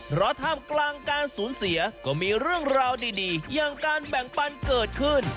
เพราะท่ามกลางการสูญเสียก็มีเรื่องราวดีอย่างการแบ่งปันเกิดขึ้น